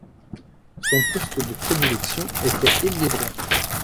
Son poste de prédilection était ailier droit.